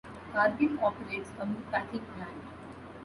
Cargill operates a meatpacking plant.